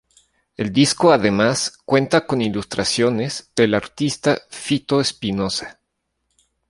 El disco además cuenta con ilustraciones del artista Fito Espinoza.